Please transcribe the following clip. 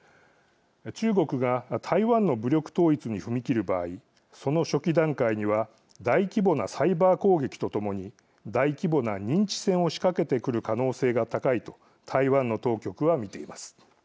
中国が台湾の武力統一に踏み切る場合、その初期段階には大規模なサイバー攻撃とともに大規模な認知戦を仕掛けてくる可能性が高いと台湾の当局は見ています。